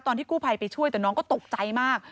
ตอนที่กู้ภัยไปช่วยแต่น้องก็ตกใจมาก